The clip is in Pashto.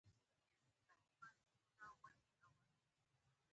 نږدي و چې د چکر خوند مو پر مرګ بدل شي.